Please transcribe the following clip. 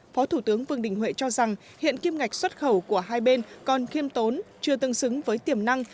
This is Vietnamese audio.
phó thủ tướng vương đình huệ cho rằng hiện kim ngạch xuất khẩu của hai bên còn kiêm tốn chưa tương xứng với tiềm năng